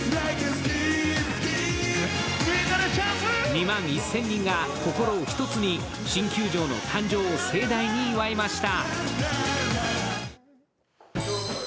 ２万１０００人が心を一つに新球場の誕生を盛大に祝いました。